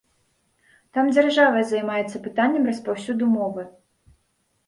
Там дзяржава займаецца пытаннем распаўсюду мовы.